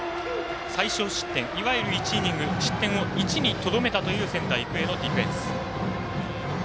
最少失点、いわゆる１イニング失点を１にとどめたという仙台育英のディフェンス。